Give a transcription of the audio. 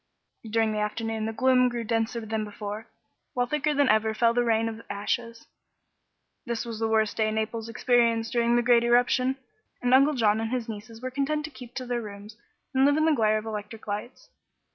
During the afternoon the gloom grew denser than before, while thicker than ever fell the rain of ashes. This was the worst day Naples experienced during the great eruption, and Uncle John and his nieces were content to keep their rooms and live in the glare of electric lights.